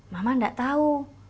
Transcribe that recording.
mama nggak tahu